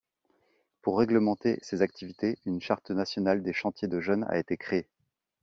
Pour réglementer ces activités, une charte nationale des chantiers de jeunes a été créée.